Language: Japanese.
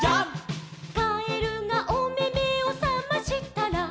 「かえるがおめめをさましたら」